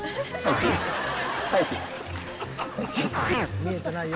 見えてないよ。